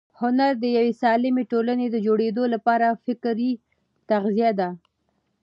هنر د یوې سالمې ټولنې د جوړېدو لپاره فکري تغذیه ده.